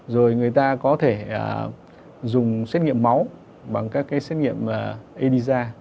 rồi người ta có thể dùng xét nghiệm máu bằng các xét nghiệm elisa